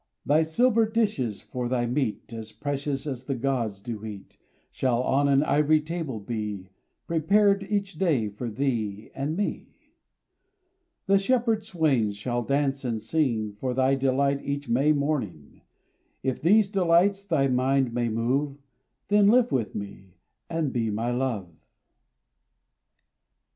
Thy silver dishes for thy meat As precious as the gods do eat, [621 RAINBOW GOLD Shall on an ivory table be Prepar d each day for thee and nie. The shepherd swains shall dance and sing For thy delight each May morning: If these delights thy mind may move. Then live with me, and be my love.